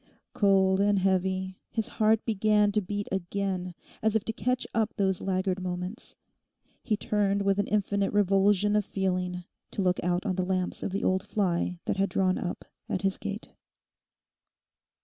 Cold and heavy, his heart began to beat again, as if to catch up those laggard moments. He turned with an infinite revulsion of feeling to look out on the lamps of the old fly that had drawn up at his gate.